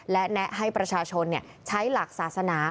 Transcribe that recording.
และแนะให้ประชาชนใช้หลักศาสนา